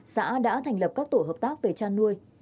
xã đã thành lập các tổ hợp tác về chăn nuôi